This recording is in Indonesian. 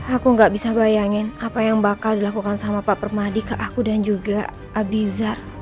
aku gak bisa bayangin apa yang bakal dilakukan sama pak permadi ke aku dan juga abizar